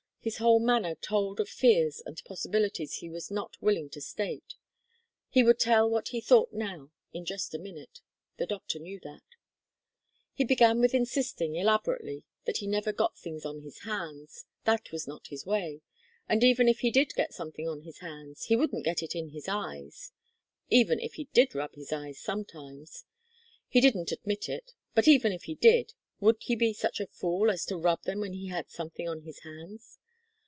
His whole manner told of fears and possibilities he was not willing to state. He would tell what he thought now in just a minute; the doctor knew that. He began with insisting, elaborately, that he never got things on his hands that was not his way; and even if he did get something on his hands, he wouldn't get it in his eyes; even if he did rub his eyes sometimes he didn't admit it but even if he did, would he be such a fool as to rub them when he had something on his hands?